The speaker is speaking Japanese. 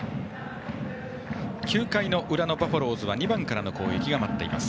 ９回の裏のバファローズは２番からの攻撃が待っています。